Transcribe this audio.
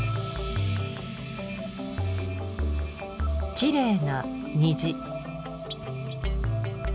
きれいな虹。